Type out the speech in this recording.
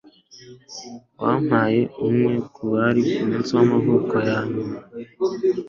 Wampaye umwe mubari kumunsi wamavuko yanyuma